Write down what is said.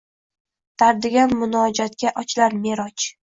Dardli munojatga ochilar Me’roj.